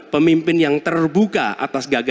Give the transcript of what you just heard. pemimpin yang terbuka atas gagasan mempertahankan indonesia